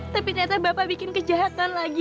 tapi ternyata bapak bikin kejahatan lagi